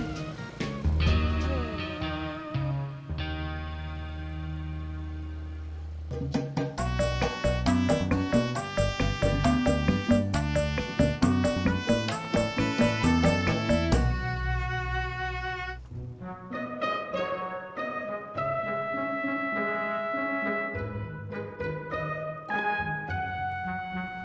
tidak ada apa apa